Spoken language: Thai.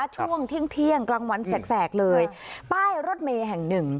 ช่วงเที่ยงเที่ยงกลางวันแสกแสกเลยค่ะป้ายรถเมฆแห่งหนึ่ง